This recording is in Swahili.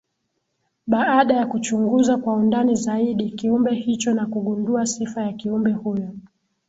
baada ya kuchunguza kwa undani zaidi Kiumbe hicho na kugundua sifa ya Kiumbe huyo